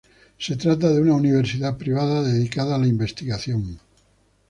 Se trata de una universidad privada dedicada a la investigación.